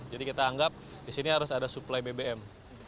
jadi kita anggap disini harus ada suplai bbm